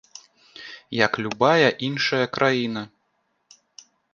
Як любая іншая краіна.